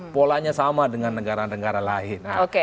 polanya sama dengan negara negara lain